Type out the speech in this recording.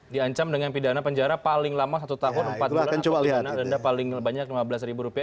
diancam dengan pidana penjara paling lama satu tahun empat bulan atau pidana denda paling banyak lima belas ribu rupiah